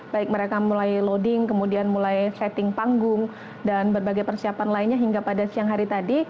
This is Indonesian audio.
baik mereka mulai loading kemudian mulai setting panggung dan berbagai persiapan lainnya hingga pada siang hari tadi